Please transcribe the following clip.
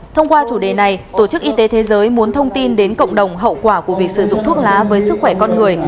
thông qua chủ đề này tổ chức y tế thế giới muốn thông tin đến cộng đồng hậu quả của việc sử dụng thuốc lá với sức khỏe con người